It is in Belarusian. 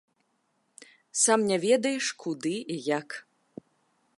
Сам не ведаеш, куды і як?